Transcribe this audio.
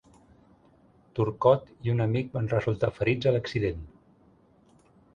Turcotte i un amic van resultar ferits a l'accident.